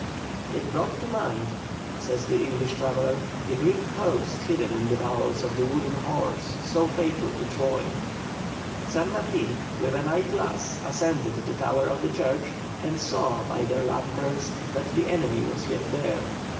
"It brought to mind," says the English traveller, "the Greek host hidden in the bowels of the wooden horse, so fatal to Troy." San Martin, with a night glass, ascended the tower of the church, and saw by their lanterns that the enemy was yet there.